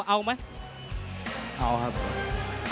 มีเขามาฝากเอาไหมเขาเอาไหม